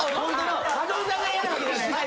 松本さんが嫌なわけじゃないよね。